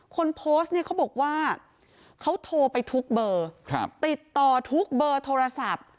คนโพสต์เนี่ยเขาบอกว่าเขาโทรไปทุกเบอร์ติดต่อทุกเบอร์โทรศัพท์